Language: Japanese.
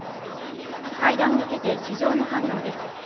会談を受けて市場の反応です。